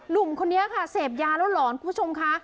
ลุงคนนี้เสพยาร้อนคุณผู้ชมค่ะ